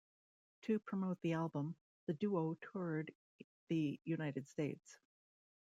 To promote the album, the duo toured the United States.